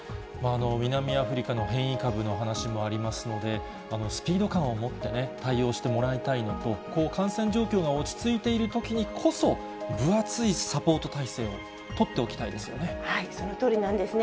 南アフリカの変異株の話もありますので、スピード感を持ってね、対応してもらいたいのと、感染状況が落ち着いているときにこそ、分厚いサポート体制を取っそのとおりなんですね。